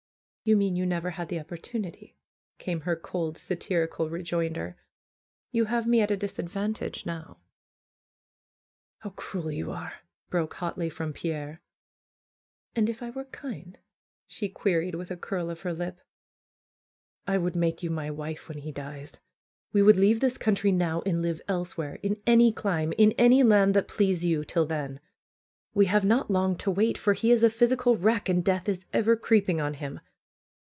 "You mean you never had the opportunity," came her cold, satirical rejoinder. "You have me at a dis advantage now." "How cruel you are !" broke hotly from Pierre. "And if I were kind?" she queried, with a curl of her lip. "I would make you my wife when he dies. We would leave this country now and live elsewhere, in any clime, in any land that pleased you till then. We have not long to wait, for he is a physical wreck, and death is ever creeping on him.